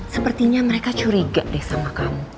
sepertinya mereka curiga deh sama kamu